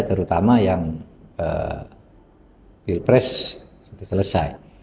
terutama yang pilpres sudah selesai